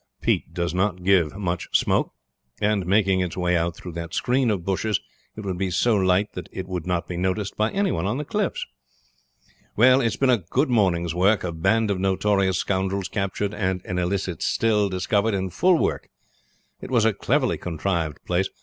Peat does not give much smoke, and making its way out through that screen of bushes it would be so light that it would not be noticed by any one on the cliffs. Well, it's been a good morning's work a band of notorious scoundrels captured and an illicit still discovered in full work. It was a cleverly contrived place.